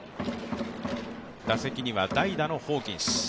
打席には代打のホーキンス。